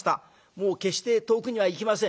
もう決して遠くには行きません。